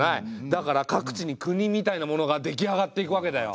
だから各地に国みたいなものが出来上がっていくわけだよ。